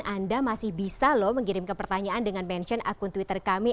anda masih bisa lho mengirim kepertanyaan dengan mention akun twitter kami